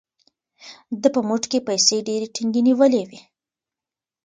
ده په موټ کې پیسې ډېرې ټینګې نیولې وې.